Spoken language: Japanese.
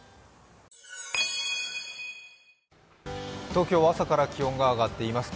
東京は朝から気温が上がっています。